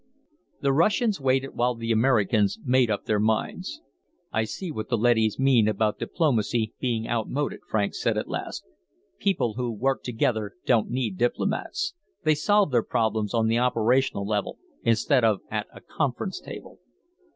The Russians waited while the Americans made up their minds. "I see what the leadys mean about diplomacy becoming outmoded," Franks said at last. "People who work together don't need diplomats. They solve their problems on the operational level instead of at a conference table."